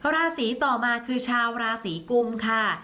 ราศีต่อมาคือชาวราศีกุมค่ะ